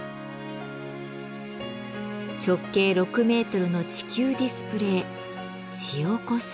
直径６メートルの地球ディスプレー「ジオ・コスモス」。